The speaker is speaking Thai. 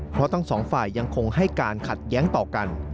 เพราะทั้งสองฝ่ายยังคงให้การขัดแย้งต่อกัน